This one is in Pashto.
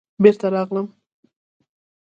بېرته راغلم.